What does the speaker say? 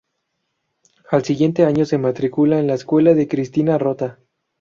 Al siguiente año se matricula en la escuela de Cristina Rota.